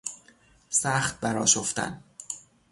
سخت بر آشفتن